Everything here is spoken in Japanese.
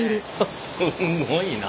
すんごいな。